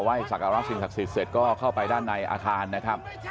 พอไกลสัตว์ยี่สักษิประนาทีเสร็จก็เข้าไปด้านในอาคารนะครับ